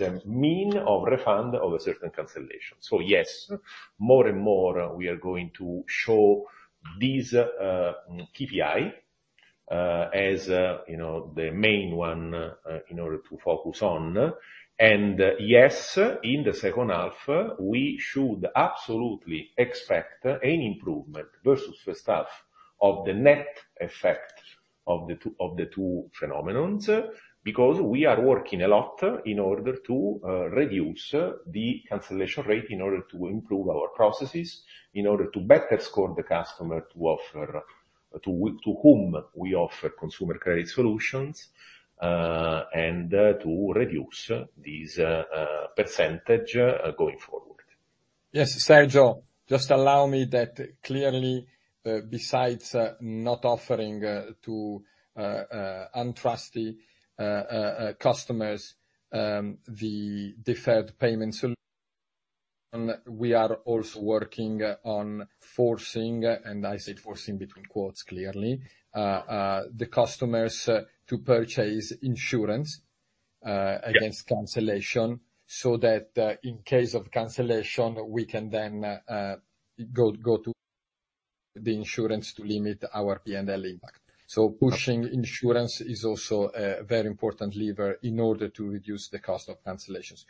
a mean of refund of a certain cancellation. Yes, more and more, we are going to show these KPI as, you know, the main one in order to focus on. Yes, in the second half, we should absolutely expect an improvement vs first half. Of the net effect of the two, of the two phenomenons, because we are working a lot in order to reduce the cancellation rate, in order to improve our processes, in order to better score the customer, to offer, to whom we offer consumer credit solutions, and to reduce this % going forward. Yes, Sergio, just allow me that clearly, besides not offering to untrusty customers the deferred payment solution, we are also working on forcing, and I say forcing between quotes, clearly, the customers to purchase insurance. Yeah... against cancellation, so that, in case of cancellation, we can then, go, go to the insurance to limit our P&L impact. Pushing insurance is also a, a very important lever in order to reduce the cost of cancellations.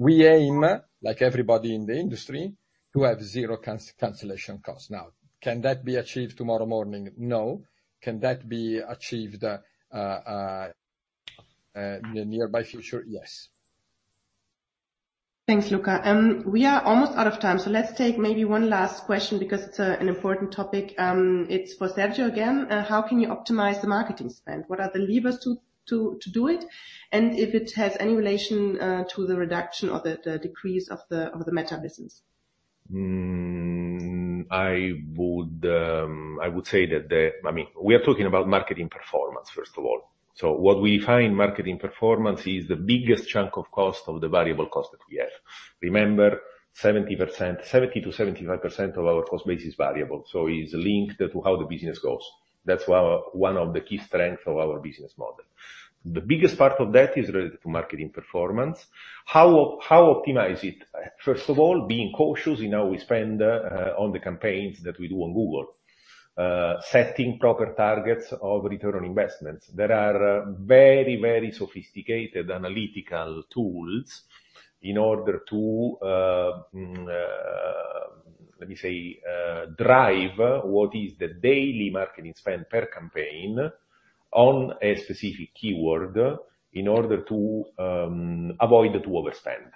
We aim, like everybody in the industry, to have zero cancellation costs. Can that be achieved tomorrow morning? No. Can that be achieved, in the nearby future? Yes. Thanks, Luca. We are almost out of time, so let's take maybe one last question because it's an important topic. It's for Sergio again. How can you optimize the marketing spend? What are the levers to do it, and if it has any relation to the reduction or the decrease of the meta business? I would say that we are talking about marketing performance, first of all. What we find marketing performance is the biggest chunk of cost of the variable cost that we have. Remember, 70%, 70%-75% of our cost base is variable, so it's linked to how the business goes. That's one, one of the key strengths of our business model. The biggest part of that is related to marketing performance. How optimize it? First of all, being cautious in how we spend on the campaigns that we do on Google. Setting proper targets of return on investments. There are very, very sophisticated analytical tools in order to let me say, drive what is the daily marketing spend per campaign on a specific keyword in order to avoid to overspend.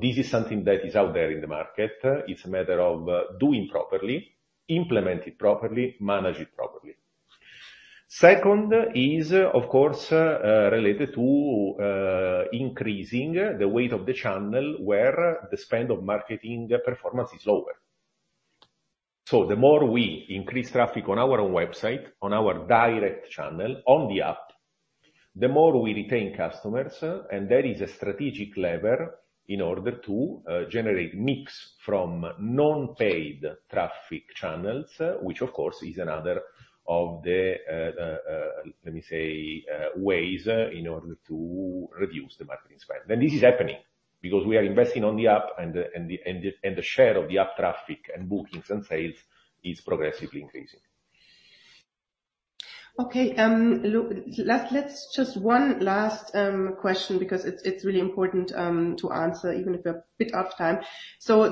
This is something that is out there in the market. It's a matter of doing properly, implement it properly, manage it properly. Second is, of course, related to increasing the weight of the channel, where the spend of marketing performance is lower. The more we increase traffic on our own website, on our direct channel, on the app, the more we retain customers, and that is a strategic lever in order to generate mix from non-paid traffic channels, which, of course, is another of the, let me say, ways in order to reduce the marketing spend. This is happening because we are investing on the app, and the share of the app traffic, and bookings, and sales is progressively increasing. Okay, let's just one last question, because it's, it's really important to answer, even if we're a bit off time.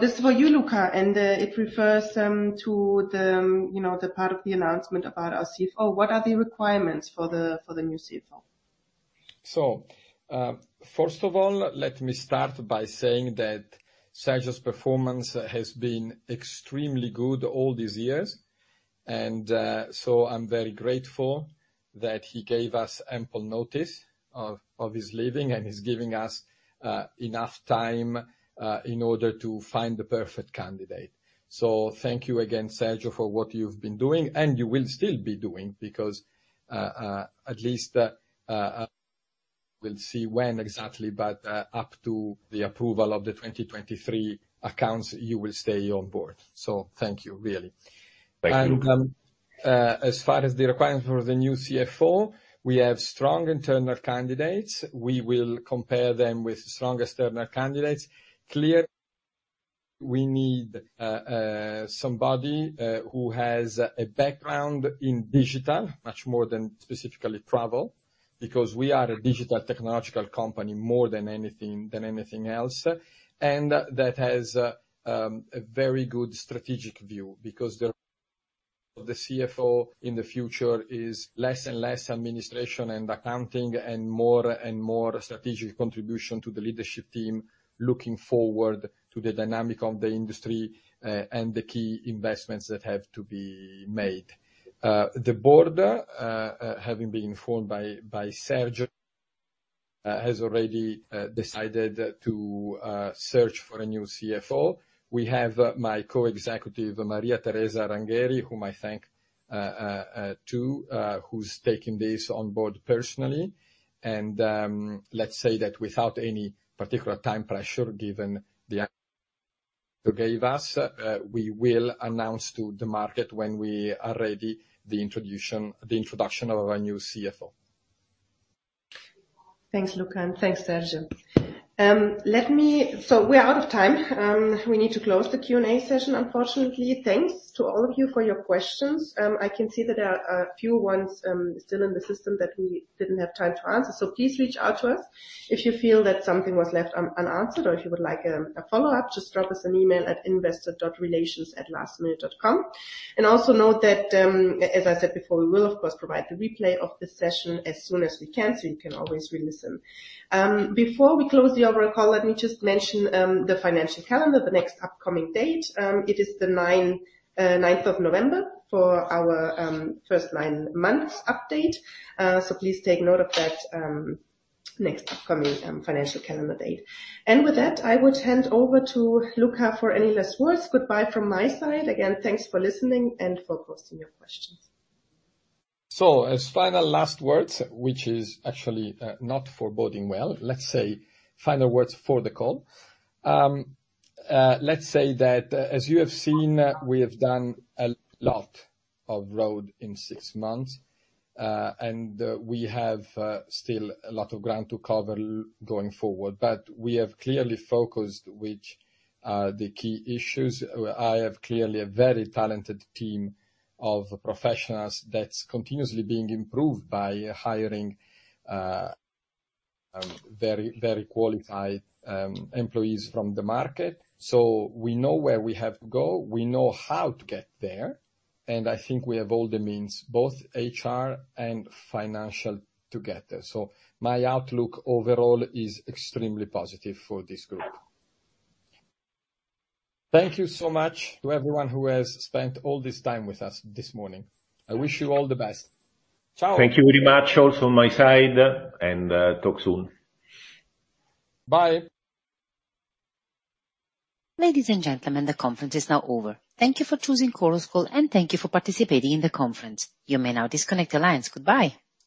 This is for you, Luca, and it refers to the, you know, the part of the announcement about our CFO. What are the requirements for the, for the new CFO? First of all, let me start by saying that Sergio's performance has been extremely good all these years, and so I'm very grateful that he gave us ample notice of his leaving, and he's giving us enough time in order to find the perfect candidate. Thank you again, Sergio, for what you've been doing, and you will still be doing, because at least we'll see when exactly, but up to the approval of the 2023 accounts, you will stay on board. Thank you, really. Thank you. As far as the requirement for the new CFO, we have strong internal candidates. We will compare them with strong external candidates. Clear, we need somebody who has a background in digital, much more than specifically travel, because we are a digital technological company more than anything, than anything else. And that has a very good strategic view, because the, the CFO in the future is less and less administration and accounting, and more and more strategic contribution to the leadership team, looking forward to the dynamic of the industry and the key investments that have to be made. The board, having been informed by, by Sergio, has already decided to search for a new CFO. We have, my Co-Executive, Maria Teresa Rangheri, whom I thank, too, who's taking this on board personally. Let's say that without any particular time pressure, given the gave us, we will announce to the market when we are ready, the introduction, the introduction of our new CFO. Thanks, Luca, and thanks, Sergio. Let me... we're out of time. We need to close the Q&A session, unfortunately. Thanks to all of you for your questions. I can see that there are a few ones still in the system that we didn't have time to answer. Please reach out to us if you feel that something was left un- unanswered or if you would like a follow-up, just drop us an email at investor.relations@lastminute.com. Also note that, as I said before, we will of course provide the replay of this session as soon as we can, so you can always relisten.... Before we close the overall call, let me just mention the financial calendar, the next upcoming date. It is the nine, ninth of November for our first nine months update. So please take note of that, next upcoming financial calendar date. With that, I would hand over to Luca for any last words. Goodbye from my side. Again, thanks for listening and for posting your questions. As final last words, which is actually not foreboding well, let's say final words for the call. Let's say that as you have seen, we have done a lot of road in six months, and we have still a lot of ground to cover going forward, we have clearly focused with the key issues. I have clearly a very talented team of professionals that's continuously being improved by hiring very, very qualified employees from the market. We know where we have to go, we know how to get there, and I think we have all the means, both H.R. and financial, to get there. My outlook overall is extremely positive for this group. Thank you so much to everyone who has spent all this time with us this morning. I wish you all the best. Ciao. Thank you very much, also on my side, and, talk soon. Bye. Ladies and gentlemen, the conference is now over. Thank you for choosing Chorus Call, and thank you for participating in the conference. You may now disconnect the lines. Goodbye.